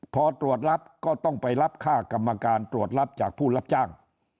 พอตรวจรับก็ต้องไปรับค่ากรรมการตรวจรับจากผู้รับจ้าง